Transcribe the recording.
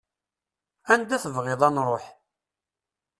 Anda tebɣiḍ ad nruḥ.